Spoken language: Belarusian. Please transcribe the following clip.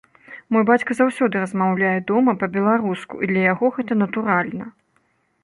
Мой бацька заўсёды размаўляе дома па-беларуску, і для яго гэта натуральна.